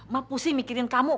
mak pusing mikirin kamu